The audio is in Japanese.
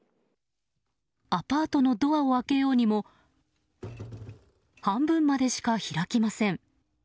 アパートのドアを開けようにも半分までしか開きません。